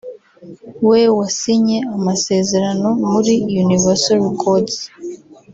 we wasinye amasezerano muri Universal Records